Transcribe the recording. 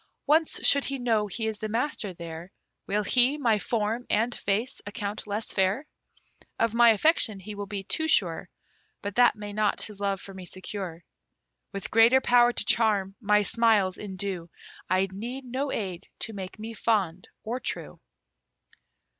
Once should he know he is the master there, Will he my form and face account less fair? Of my affection he will be too sure, But that may not his love for me secure. With greater power to charm, my smiles endue, I need no aid to make me fond or true.